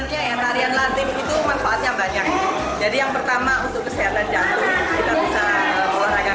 nah lalu untuk para wanita terutama itu bisa memperlambat kepimpunan